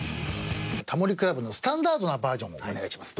『タモリ倶楽部』のスタンダードなバージョンをお願いします。